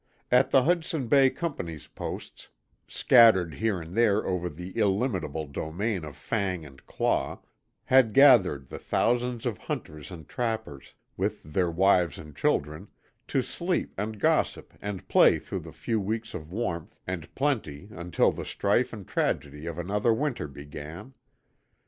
At the Hudson Bay Company's posts scattered here and there over the illimitable domain of fang and claw had gathered the thousands of hunters and trappers, with their wives and children, to sleep and gossip and play through the few weeks of warmth and plenty until the strife and tragedy of another winter began.